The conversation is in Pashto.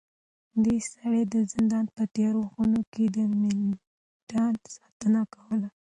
دې سړي د زندان په تیارو خونو کې د منډېلا ساتنه کوله.